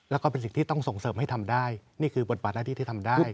แล้วก็เป็นสิ่งที่ต้องส่งเสริมให้ทำได้นี่คือบทบาทหน้าที่ที่ทำได้